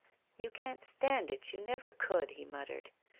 You can't stand it, you never could," he muttered.